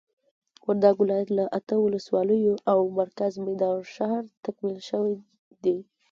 وردګ ولايت له اته ولسوالیو او مرکز میدان شهر تکمیل شوي دي.